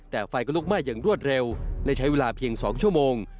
แต่ไฟก็ลุกไหม้อย่างรวดเร็วและใช้เวลาเพียง๒ชั่วโมง